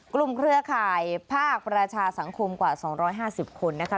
กลุ่มเครือข่ายภาคประชาสังคมกว่าสองร้อยห้าสิบคนนะคะ